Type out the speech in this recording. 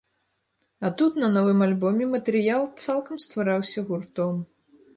А тут, на новым альбоме, матэрыял цалкам ствараўся гуртом.